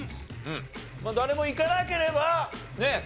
誰もいかなければねえ